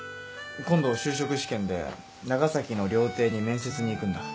今度就職試験で長崎の料亭に面接に行くんだ。